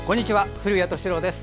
古谷敏郎です。